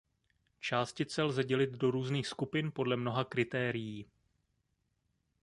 Částice lze dělit do různých skupin podle mnoha kritérií.